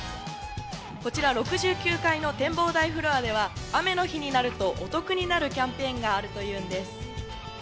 こちら６９階の展望台フロアでは、雨の日になるとお得になるキャンペーンがあるというんです。